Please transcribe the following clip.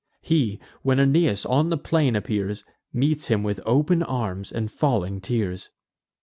He, when Aeneas on the plain appears, Meets him with open arms, and falling tears.